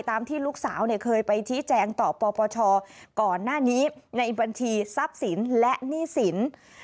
ตามที่ลูกสาวเคยไปชี้แจงต่อปปชก่อนหน้านี้ในบัญชีทรัพย์สินและหนี้สิน